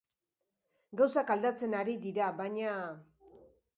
Gauzak aldatzen ari dira, baina...